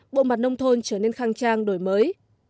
bộ mặt nông thôn trở nên khang trang đổi mới